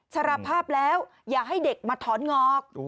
สารภาพแล้วอย่าให้เด็กมาถอนงอก